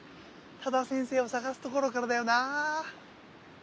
多田先生を探すところからだよな。